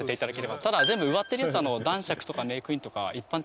ただ全部植わってるやつ男爵とかメークインとか一般的な芋